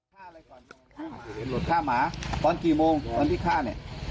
หล่นฆ่าหมาตอนกี่โมงตอนที่ฆ่านี่